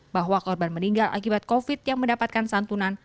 bahwa korban meninggal akibat covid yang mendapatkan santunan